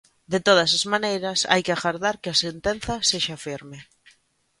De todas maneiras hai que agardar que a sentenza sexa firme.